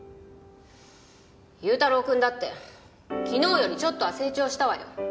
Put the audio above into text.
優太郎くんだって昨日よりちょっとは成長したわよ。